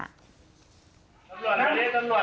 น้องถ่ายคลิปไว้